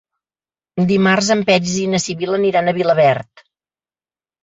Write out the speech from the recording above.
Dimarts en Peris i na Sibil·la aniran a Vilaverd.